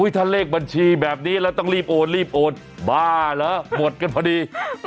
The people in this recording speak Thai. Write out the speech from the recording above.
ถ้าเลขบัญชีแบบนี้แล้วต้องรีบโอนรีบโอนบ้าเหรอหมดกันพอดี